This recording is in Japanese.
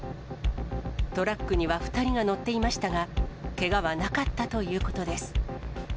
トラックには２人が乗っていましたが、けがはなかったということです。